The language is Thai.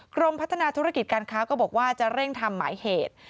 กรมพัฒนาธุรกิจการค้าก็บอกว่าจะเร่งทำหมายเหตุ